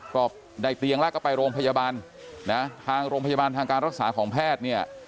ก็ได้เตียงแล้วก็ไปโรงพยาบาลนะทางโรงพยาบาลทางการรักษาของแพทย์เนี่ย